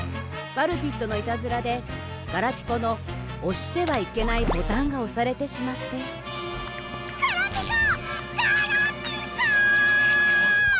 ワルピットのいたずらでガラピコのおしてはいけないボタンがおされてしまってガラピコ！